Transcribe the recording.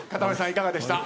いかがでした？